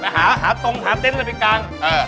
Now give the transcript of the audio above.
ไปหาตรงหาเต้นสำคัญ